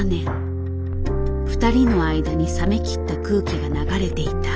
２人の間に冷めきった空気が流れていた。